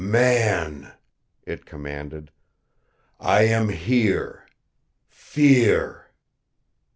"Man," It commanded, "I am here. Fear!"